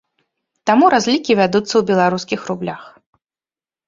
Таму разлікі вядуцца ў беларускіх рублях.